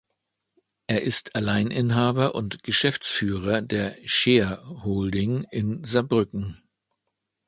Er ist Alleininhaber und Geschäftsführer der Scheer Holding in Saarbrücken.